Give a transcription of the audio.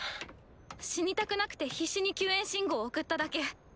死にたくなくて必死に救援信号送っただけ。